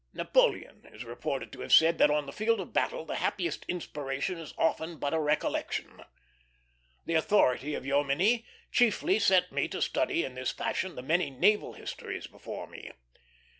Napoleon is reported to have said that on the field of battle the happiest inspiration is often but a recollection. The authority of Jomini chiefly set me to study in this fashion the many naval histories before me.